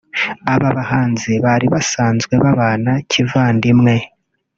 Aba bahanzi bari basanzwe babana kivandimwe